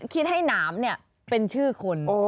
คิดให้หนามเป็นชื่อคน